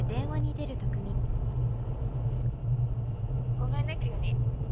ごめんね急に。